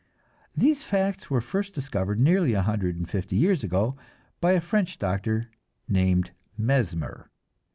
These facts were first discovered nearly a hundred and fifty years ago by a French doctor named Mesmer.